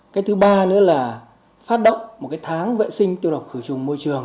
cái thứ ba nữa là phát động một cái tháng vệ sinh tiêu độc khử trùng môi trường